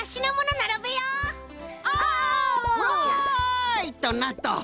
おいとなっと！